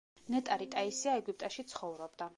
ნეტარი ტაისია ეგვიპტეში ცხოვრობდა.